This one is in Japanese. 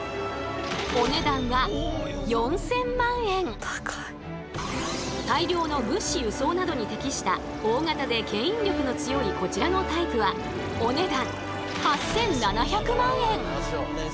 お値段は大量の物資輸送などに適した大型で牽引力の強いこちらのタイプはお値段